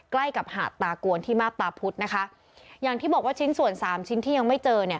ใกล้กับหาดตากวนที่มาบตาพุธนะคะอย่างที่บอกว่าชิ้นส่วนสามชิ้นที่ยังไม่เจอเนี่ย